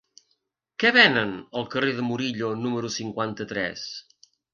Què venen al carrer de Murillo número cinquanta-tres?